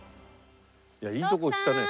いやあいいとこ来たね。